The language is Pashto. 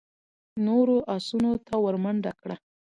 نورو آسونو ته ور منډه کړه.